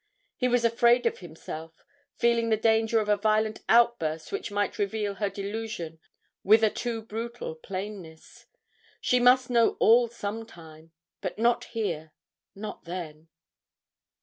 He was afraid of himself, feeling the danger of a violent outburst which might reveal her delusion with a too brutal plainness. She must know all some time, but not there not then.